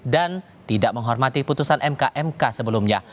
dan tidak menghormati putusan mk mk sebelumnya